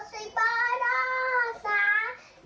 ว่าเจ้าสุดยอดรอสาว